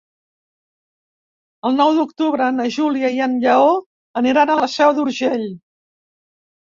El nou d'octubre na Júlia i en Lleó aniran a la Seu d'Urgell.